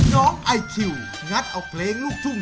น้องไอคิวงัดเอาเพลงลูกทุ่ง